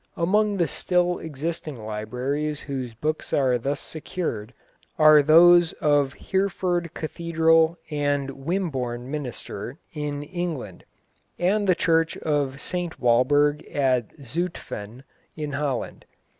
Among the still existing libraries whose books are thus secured are those of Hereford Cathedral and Wimborne Minster in England, and the church of St Wallberg at Zutphen, in Holland.